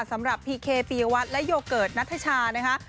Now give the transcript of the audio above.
สำหรับพี่เคปียวัฒน์และโยเกิร์ตนัทชานะคะ